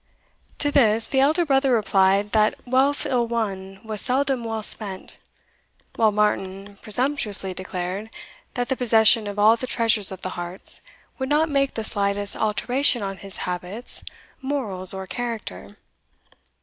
To this the elder brother replied, that wealth ill won was seldom well spent; while Martin presumptuously declared, that the possession of all the treasures of the Harz would not make the slightest alteration on his habits, morals, or character.